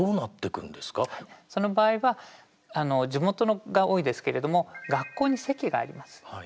その場合は地元が多いですけれども学校に籍があります。